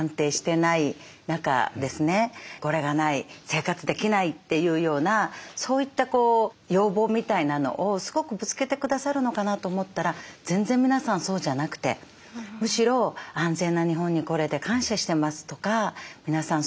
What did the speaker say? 「これがない」「生活できない」というようなそういった要望みたいなのをすごくぶつけてくださるのかなと思ったら全然皆さんそうじゃなくてむしろ「安全な日本に来れて感謝してます」とか「皆さん